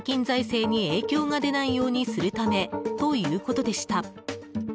財政に影響が出ないようにするためということでした。